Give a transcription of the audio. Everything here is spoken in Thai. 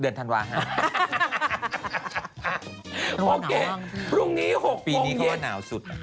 โอเคพรุ่งโน้น๖โมงเย็นหลังของรบทรงชาติ